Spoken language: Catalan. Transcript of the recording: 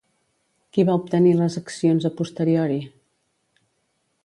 Qui va obtenir les accions a posteriori?